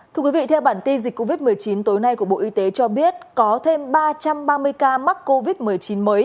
thưa quý vị theo bản tin dịch covid một mươi chín tối nay của bộ y tế cho biết có thêm ba trăm ba mươi ca mắc covid một mươi chín mới